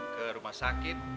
ke rumah sakit